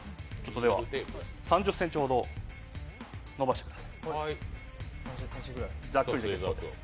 では、３０ｃｍほど伸ばしてください。